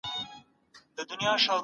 د هغې نوم سمیرا هیت دی.